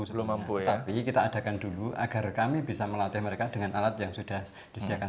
belum mampu tapi kita adakan dulu agar kami bisa melatih mereka dengan alat yang sudah disediakan